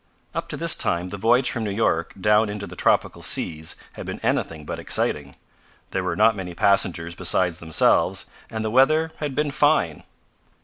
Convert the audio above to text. Up to this time the voyage from New York down into the tropical seas had been anything but exciting. There were not many passengers besides themselves, and the weather had been fine.